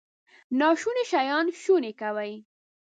ناشوني شیان شوني کوي.